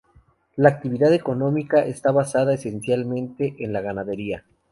La actividad económica, está basada esencialmente, en la ganadería.